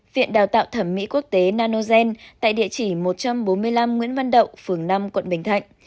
viện đào tạo thẩm mỹ quốc tế nanogen tại địa chỉ một trăm bốn mươi năm nguyễn văn đậu phường năm quận bình thạnh